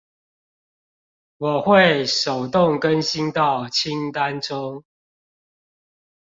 我會手動更新到清單中